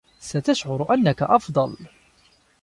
ستشعر أنك أفضل